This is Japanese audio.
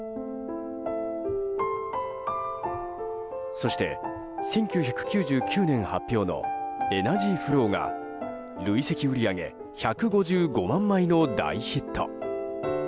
そして１９９９年発表の「ｅｎｅｒｇｙｆｌｏｗ」が累積売り上げ１５５万枚の大ヒット。